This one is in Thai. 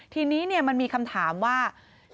ทีนี้มันมีคำถามว่า